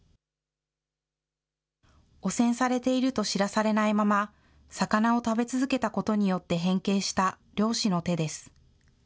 汚染されていると知らされないまま、魚を食べ続けたことによって変形した漁師の手です。